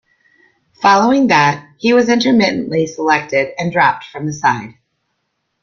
Following that, he was intermittently selected and dropped from the side.